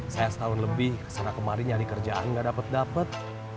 saya setahun lebih kesana kemari nyari kerjaan gak dapet dapet